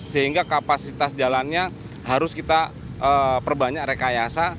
sehingga kapasitas jalannya harus kita perbanyak rekayasa